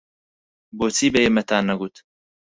بۆچی بە ئێمەتان نەگوت؟